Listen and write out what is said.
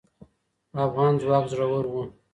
افغان ځواک زړور و